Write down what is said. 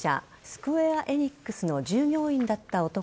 スクウェア・エニックスの従業員だった男